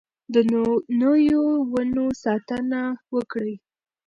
د نويو ونو ساتنه وکړئ.